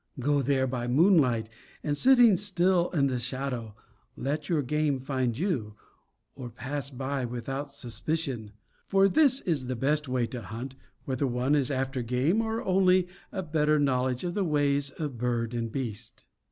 Go there by moonlight and, sitting still in the shadow, let your game find you, or pass by without suspicion; for this is the best way to hunt, whether one is after game or only a better knowledge of the ways of bird and beast.